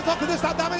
だめだ！